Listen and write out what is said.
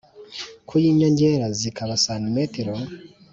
kuyinyongera zikaba cm